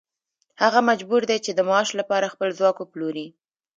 هغه مجبور دی چې د معاش لپاره خپل ځواک وپلوري